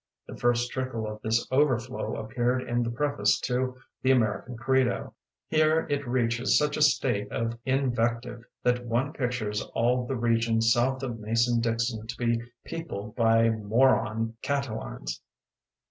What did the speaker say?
The first trickle of this overflow appeared in the preface to "The American Credo"; here it reaches such a state of invec tive that one pictures all the region south of Mason Dixon to be peopled by moron Catilines.